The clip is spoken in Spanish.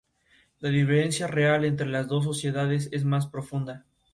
Generalmente denominaba a la primera como una "posesión" y a la segunda como "propiedad".